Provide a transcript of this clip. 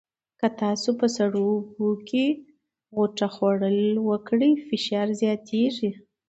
که تاسو په سړو اوبو کې غوطه خوړل وکړئ، فشار زیاتېږي.